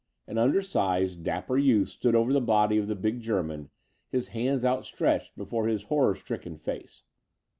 An undersized, dapper youth stood over the body of the big German, his hands outstretched before his horror stricken face.